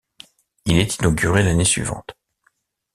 Il est inauguré l’année suivante.